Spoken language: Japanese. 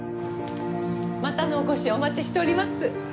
またのお越しをお待ちしております。